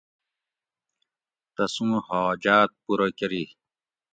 تسوں حاجاۤت پُورہ کۤری